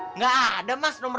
enggak ada mas nomer dua puluh